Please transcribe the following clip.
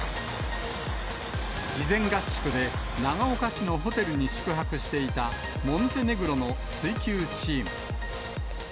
事前合宿で、長岡市のホテルに宿泊していた、モンテネグロの水球チーム。